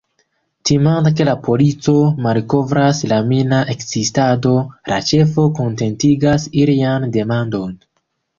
Timante ke la polico malkovras la mina ekzistado, la ĉefo kontentigas ilian demandon.